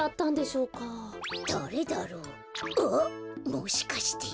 もしかして。